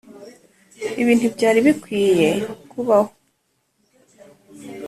ibi ntibyari bikwiye kubaho.